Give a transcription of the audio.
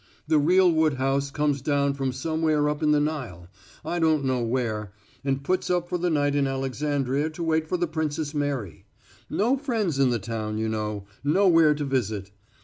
The real Woodhouse comes down from somewhere up in the Nile I don't know where and puts up for the night in Alexandria to wait for the Princess Mary. No friends in the town, you know; nowhere to visit.